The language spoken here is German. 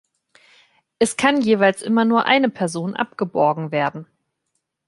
Es kann jeweils immer nur eine Person abgeborgen werden.